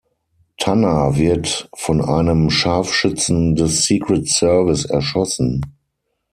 Tanner wird von einem Scharfschützen des Secret Service erschossen.